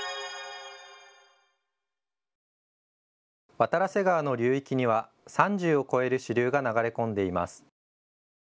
渡良瀬川の流域には３０を超える支流が流れ込んでいます。